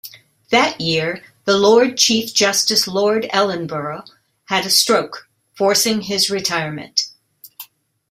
That year, the Lord Chief Justice Lord Ellenborough had a stroke, forcing his retirement.